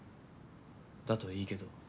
だといいけど。